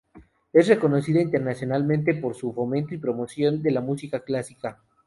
Es reconocida internacionalmente por su fomento y promoción de la música clásica.